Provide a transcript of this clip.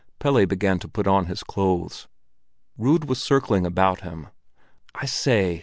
Pelle began to put on his clothes. Rud was circling about him. "I say!"